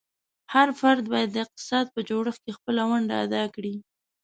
هر فرد باید د اقتصاد په جوړښت کې خپله ونډه ادا کړي.